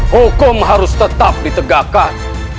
hukum harus tetap ditegakkan